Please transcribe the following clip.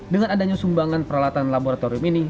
dengan adanya sumbangan peralatan laboratorium ini